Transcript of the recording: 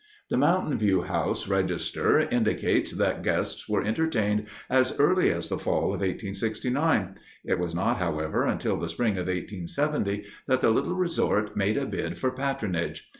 The Mountain View House register indicates that guests were entertained as early as the fall of 1869. It was not, however, until the spring of 1870 that the little resort made a bid for patronage.